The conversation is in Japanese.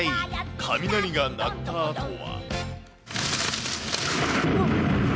雷が鳴ったあとは。